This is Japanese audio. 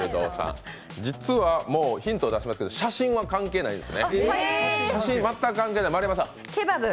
実はもうヒントを出しますけど、写真は関係ないですね。